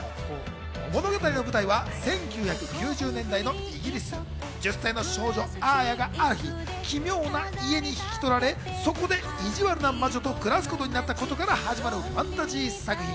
物語の舞台は１９９０年代のイギリス、１０歳の少女アーヤがある日、奇妙な家に引き取られ、そこで意地悪な魔女と暮らすことになったことから始まるファンタジー作品。